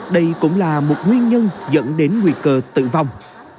đây cũng là một nguyên nhân dẫn đến nguy cơ tử vong